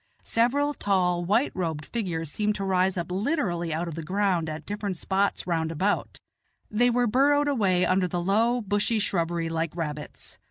several tall white robed figures seem to rise up literally out of the ground at different spots round about; they were burrowed away under the low, bushy shrubbery like rabbits.